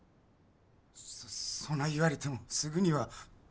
そそない言われてもすぐには。